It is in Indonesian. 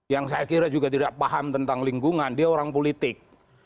yang saya kira juga tidak paham tentang lingkungan dia orang politik